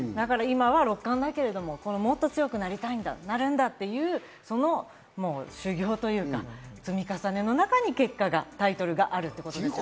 今は六冠だけども、もっと強くなりたい、なるんだっていう、その修行というか、積み重ねの中に結果が、タイトルがあるってことですね。